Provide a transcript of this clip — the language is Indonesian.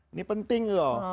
ini penting loh